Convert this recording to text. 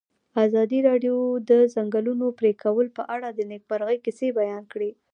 ازادي راډیو د د ځنګلونو پرېکول په اړه د نېکمرغۍ کیسې بیان کړې.